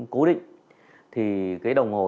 cố định thì cái đồng hồ